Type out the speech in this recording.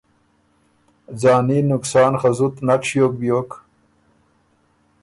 ځاني نقصان خه زُت نک ݭیوک بیوک